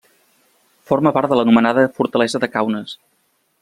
Forma part de l'anomenada Fortalesa de Kaunas.